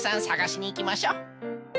さがしにいきましょう！